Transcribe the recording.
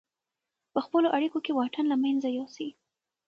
په خپلو اړیکو کې واټن له منځه یوسئ.